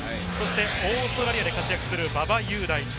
オーストラリアで活躍する馬場雄大。